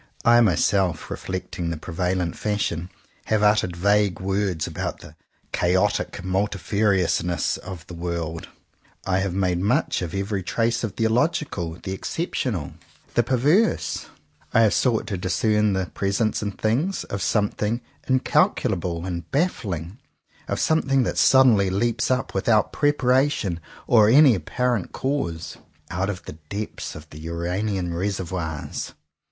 I myself, reflecting the pre valent fashion, have uttered vague words about the ''chaotic multifariousness" of the world. I have made much of every trace of the illogical, the exceptional, the 49 CONFESSIONS OF TWO BROTHERS perverse. I have sought to discern the presence in things, of something incalcul able and baffling, of something that sudden ly leaps up without preparation or any ap parent cause, out of the depths of the Uranian reservoirs.